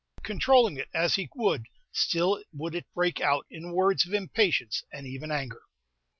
Controlling it as he would, still would it break out in words of impatience and even anger.